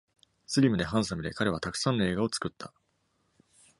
スリムでハンサムで、彼はたくさんの映画を作った。